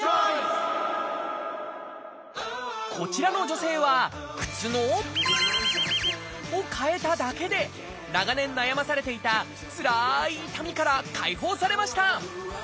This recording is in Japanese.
こちらの女性は靴のを替えただけで長年悩まされていたつらい痛みから解放されました。